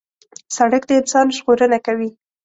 سړک د انسان ژغورنه کوي.